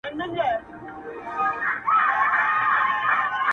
o هغه خو دا گراني كيسې نه كوي.